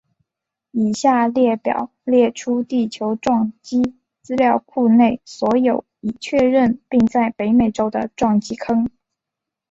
以下列表列出地球撞击资料库内所有已确认并在北美洲的撞击坑。